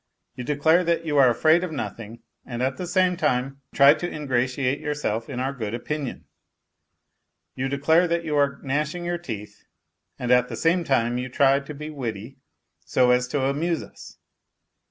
You declare that you are afraid of nothing and at the same time try to ingratiate yourself in our good opinion. You declare that you are gnashing your teeth and at the same time you try to be witty so as to amuse us.